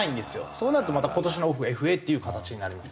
そうなるとまた今年のオフＦＡっていう形になります。